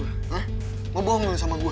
hah mau bohong sama gue